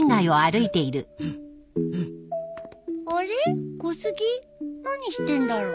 あれ小杉何してんだろ？